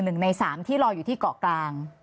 หนึ่งในสามที่รออยู่ที่เกาะกลาง